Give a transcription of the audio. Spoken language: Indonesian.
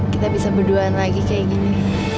kita bisa berduaan lagi kayak gini